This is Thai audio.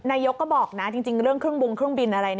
นายกก็บอกนะจริงเรื่องเครื่องบงเครื่องบินอะไร